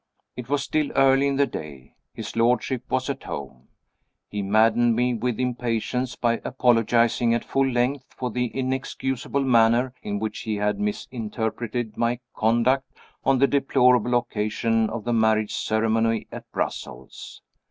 It was still early in the day: his lordship was at home. He maddened me with impatience by apologizing at full length for "the inexcusable manner in which he had misinterpreted my conduct on the deplorable occasion of the marriage ceremony at Brussels."